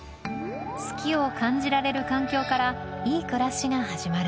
「好き」を感じられる環境からいい暮らしが始まる